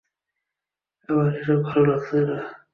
আমার এসব ভালো লাগছে না।